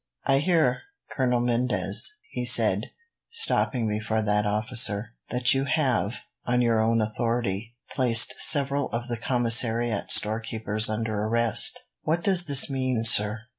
"I hear, Colonel Mendez," he said, stopping before that officer, "that you have, on your own authority, placed several of the commissariat storekeepers under arrest. What does this mean, sir?"